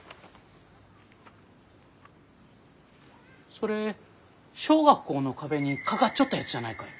それ小学校の壁に掛かっちょったやつじゃないかえ？